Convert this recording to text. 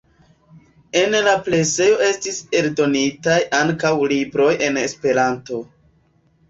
En la presejo estis eldonitaj ankaŭ libroj en Esperanto.